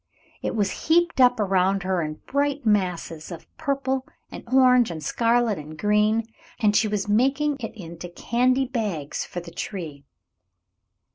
It was heaped up around her in bright masses of purple and orange and scarlet and green, and she was making it into candy bags for the tree.